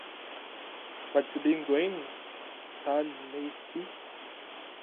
What's the beam doing, Ta-Nehisi?